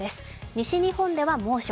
西日本では猛暑、